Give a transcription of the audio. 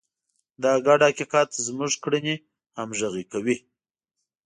دا ګډ حقیقت زموږ کړنې همغږې کوي.